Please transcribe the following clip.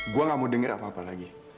gue gak mau denger apa apa lagi